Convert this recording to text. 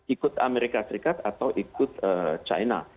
ikut amerika serikat atau ikut china